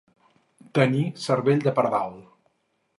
Tenir cervell de pardal.